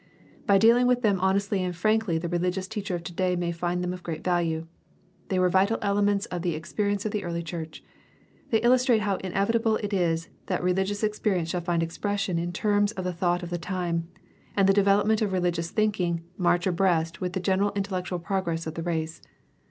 By dealing with them honestly and frankly the religious teacher of today may find them of great value. They were vital elements of the experi ence of the early church. They illustrate how inevitable it is that religious experience shall find expression in terms of the thought of the time, and the development of religious think ing march abreast with the general intellectual progress of the race.